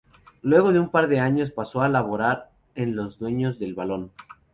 Luego de un par de años pasó a laborar en Los Dueños del Balón.